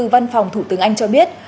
văn phòng thủ tướng anh cho biết